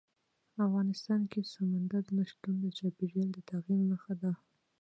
افغانستان کې سمندر نه شتون د چاپېریال د تغیر نښه ده.